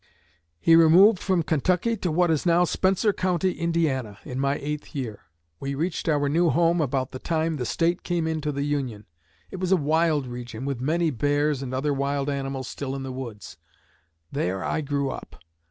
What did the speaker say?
He removed from Kentucky to what is now Spencer County, Indiana, in my eighth year. We reached our new home about the time the State came into the Union. It was a wild region, with many bears and other wild animals still in the woods. There I grew up.